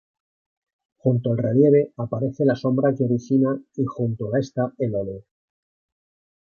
Junto al relieve aparece la sombra que origina y, junto a esta, el óleo.